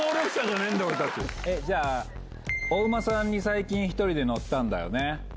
じゃあお馬さんに最近１人で乗ったんだね。